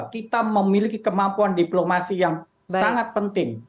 kita memiliki kemampuan diplomasi yang sangat penting